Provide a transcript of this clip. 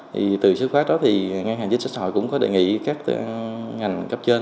thì từ xuất phát đó thì ngân hàng chính sách hội cũng có đề nghị các ngành cấp trên